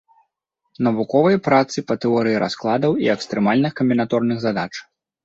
Навуковыя працы па тэорыі раскладаў і экстрэмальных камбінаторных задач.